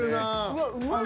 うわっうまい！